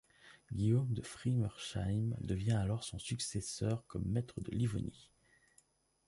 Guillaume de Friemersheim devient alors son successeur comme maître de Livonie.